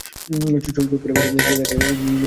চুপ করে বসে ফিরে তাকিয়ে রইল নিজের অতীতের দিকে।